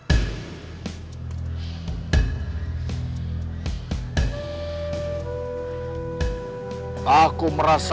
untuk duduk larger than melakukan sesuatu semua